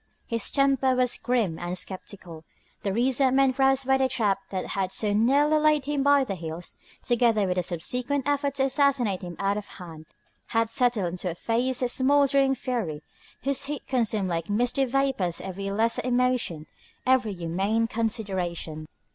His temper was grim and skeptical. The resentment roused by the trap that had so nearly laid him by the heels, together with the subsequent effort to assassinate him out of hand, had settled into a phase of smouldering fury whose heat consumed like misty vapours every lesser emotion, every humane consideration.